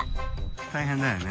大変だよね。